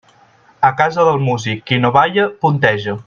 A casa del músic, qui no balla, punteja.